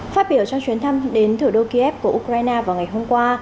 phát biểu trong chuyến thăm đến thủ đô kiev của ukraine vào ngày hôm qua